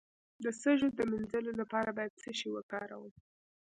د سږو د مینځلو لپاره باید څه شی وکاروم؟